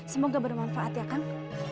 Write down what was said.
semoga bermanfaat ya kang